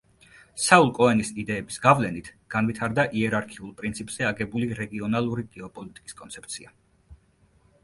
საულ კოენის იდეების გავლენით განვითარდა იერარქიულ პრინციპზე აგებული რეგიონალური გეოპოლიტიკის კონცეფცია.